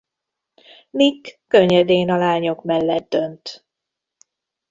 Nick könnyedén a lányok mellett dönt.